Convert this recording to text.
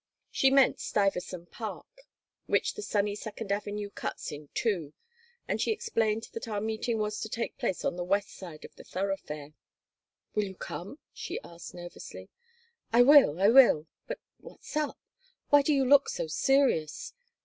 She meant Stuyvesant Park, which the sunny Second Avenue cuts in two, and she explained that our meeting was to take place on the west side of the thoroughfare "Will you come?" she asked, nervously "I will, I will. But what's up? Why do you look so serious?